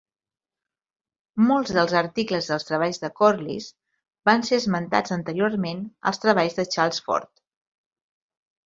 Molts dels articles dels treballs de Corliss van ser esmentats anteriorment als treballs de Charles Fort.